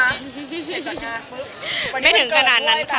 วันนี้เป็นก็นานนั้นค่ะ